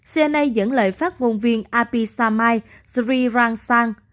cna dẫn lời phát ngôn viên api samai sri rangsang